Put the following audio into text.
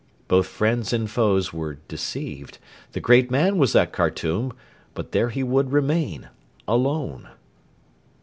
Both friends and foes were deceived. The great man was at Khartoum, but there he would remain alone.